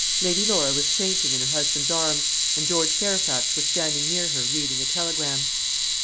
Lady Laura was fainting in her husband's arms, and George Fairfax was standing near her reading a telegram.